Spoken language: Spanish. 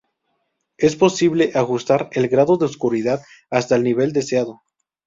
Es posible ajustar el grado de oscuridad hasta el nivel deseado.